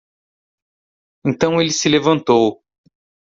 Então ele se levantou.